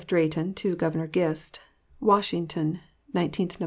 DRAYTON TO GOVERNOR GIST. WASHINGTON, 19th Nov.